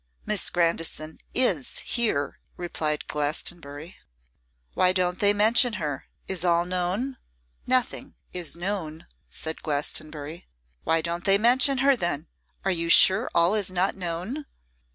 'Miss Grandison is here,' replied Glastonbury. 'Why don't they mention her? Is all known?' 'Nothing is known,' said Glastonbury. 'Why don't they mention her, then? Are you sure all is not known?